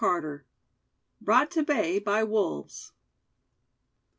CHAPTER XII. BROUGHT TO BAY BY WOLVES.